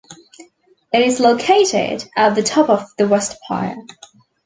It is located at the top of the West Pier.